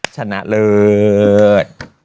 ชนะเลิศ